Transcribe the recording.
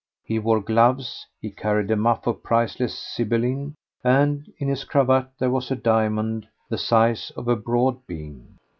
He wore gloves, he carried a muff of priceless zibeline, and in his cravat there was a diamond the size of a broad bean.